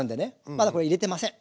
まだこれ入れてません。